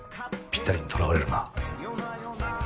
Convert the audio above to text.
ぴったりにとらわれるな